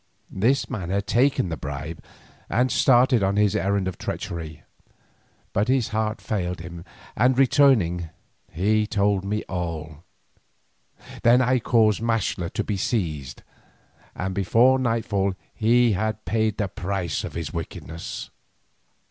This man had taken the bribe and started on his errand of treachery, but his heart failed him and, returning, he told me all. Then I caused Maxtla to be seized, and before nightfall he had paid the price of his wickedness.